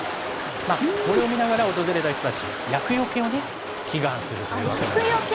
これを見ながら、訪れた人たち、厄よけを祈願するというわけなんですね。